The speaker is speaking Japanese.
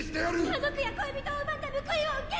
家族や恋人を奪った報いを受けろ！